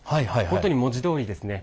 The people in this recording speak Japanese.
本当に文字どおりですね